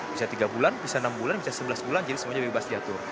bisa tiga bulan bisa enam bulan bisa sebelas bulan jadi semuanya bebas diatur